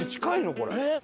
これ。